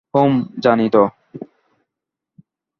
হুম, জানি তো।